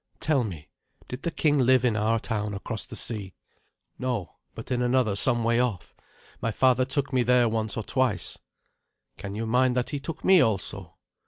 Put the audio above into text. Tell me, did the king live in our town across the sea?" "No, but in another some way off. My father took me there once or twice." "Can you mind that he took me also?"